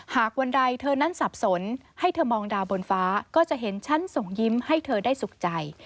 หากวันใดเธอนั้นสับสนให้เธอมองดาวบนฟ้าก็จะเห็นฉันส่งยิ้มให้เธอได้สุขใจ